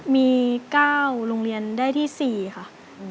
มี๙โรงเรียนได้ที่๔ค่ะ